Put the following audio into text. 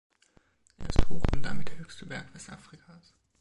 Er ist hoch und damit der höchste Berg Westafrikas.